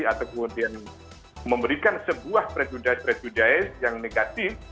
atau kemudian memberikan sebuah prejudis presudies yang negatif